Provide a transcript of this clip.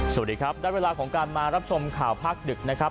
สวัสดีครับได้เวลาของการมารับชมข่าวภาคดึกนะครับ